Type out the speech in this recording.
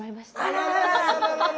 あらららら。